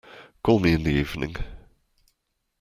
Call me in the evening.